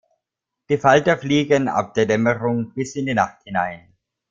Die Falter fliegen ab der Dämmerung bis in die Nacht hinein.